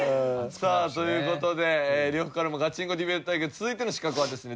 さあという事で呂布カルマガチンコディベート対決続いての刺客はですね